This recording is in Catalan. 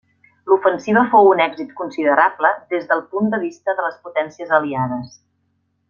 L'ofensiva fou un èxit considerable des del punt de vista de les potències aliades.